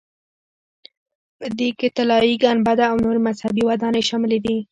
په دې کې طلایي ګنبده او نورې مذهبي ودانۍ شاملې دي.